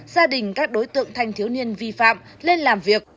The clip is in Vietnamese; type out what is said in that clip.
gia đình các đối tượng thanh thiếu niên vi phạm lên làm việc